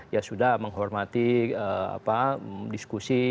ya sudah menghormati diskusi